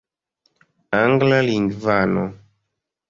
anglalingvano